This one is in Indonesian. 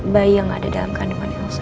bayi yang ada dalam kandungan elsa